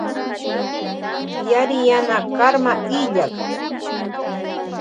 Yariyana karma illak.